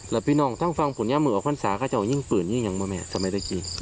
แล้วพี่น้องท่านฟังภูนยามุยวาควันศาก็จะเอาหยิงปืนยี่ยังไหมสำัยตะกีย์